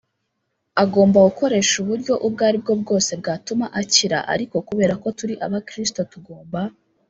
agomba gukoresha uburyo ubwo ari bwo bwose bwatuma akira ariko kubera ko turi abakristo tugomba